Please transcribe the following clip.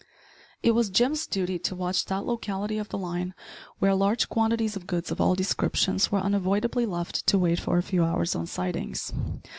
It was Jim's duty to watch that locality of the line, where large quantities of goods of all descriptions were unavoidably left to wait for a few hours on sidings.